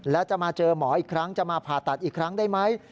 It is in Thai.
แล้วจะมาเจอหมออีกครั้งจะมาผ่าตัดอีกครั้งได้ไหม